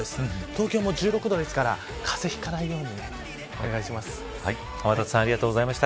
東京も１６度ですから風邪をひかないようにお願いします。